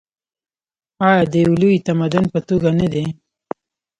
آیا د یو لوی تمدن په توګه نه دی؟